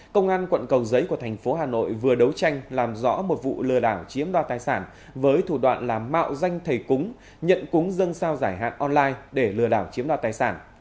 công an quận cầu giấy của thành phố hà nội vừa đấu tranh làm rõ một vụ lừa đảo chiếm đoạt tài sản với thủ đoạn là mạo danh thầy cúng nhận cúng dân sao giải hạn online để lừa đảo chiếm đoạt tài sản